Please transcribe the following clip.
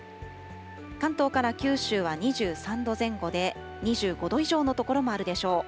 関東から九州は２３度前後で、２５度以上の所もあるでしょう。